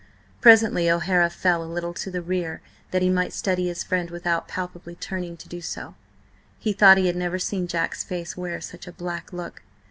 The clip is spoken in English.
Presently O'Hara fell a little to the rear that he might study his friend without palpably turning to do so. He thought he had never seen Jack's face wear such a black look.